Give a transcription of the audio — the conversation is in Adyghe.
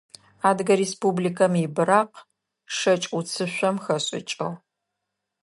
Адыгэ Республикэм и быракъ шэкӏ уцышъом хэшӏыкӏыгъ.